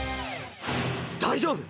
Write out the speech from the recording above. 大丈夫？